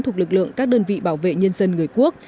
thuộc lực lượng các đơn vị bảo vệ nhân dân người quốc